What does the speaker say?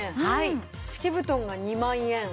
敷き布団が２万円。